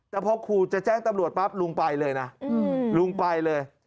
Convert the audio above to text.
แต่พอขู่จะแจ้งตำรวจปั๊บลุงไปเลยนะลุงไปเลย